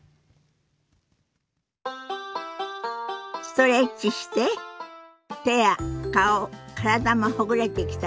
ストレッチして手や顔体もほぐれてきたかしら？